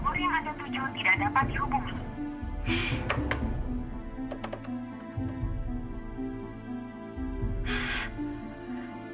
uri menentu jujur tidak dapat dihubungi